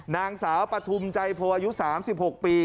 นางสาวปฐุมใจโพอายุ๓๖ปี